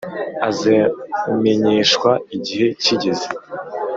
Azamenyeshwa igihe kigeze